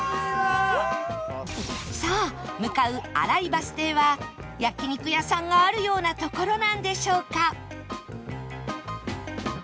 さあ向かう新井バス停は焼肉屋さんがあるような所なんでしょうか？